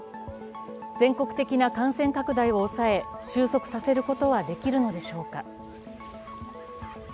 全国的な感染拡大を抑え収束させることはできるのでしょうか。